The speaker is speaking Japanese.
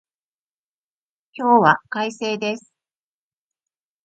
今日は快晴です